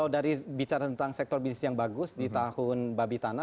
dari bicara tentang sektor bisnis yang bagus di tahun babi tanah